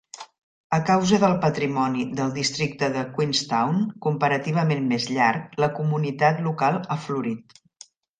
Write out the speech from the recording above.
A causa del patrimoni del districte de Queenstown, comparativament més llarg, la comunitat local ha florit.